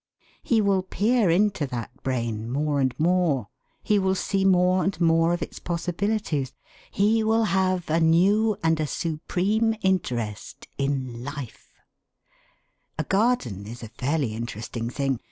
He will peer into that brain more and more. He will see more and more of its possibilities. He will have a new and a supreme interest in life. A garden is a fairly interesting thing.